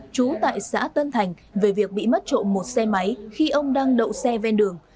trú tại xã tân thành về việc bị mất trộm một xe máy khi ông đang đậu xe ven đường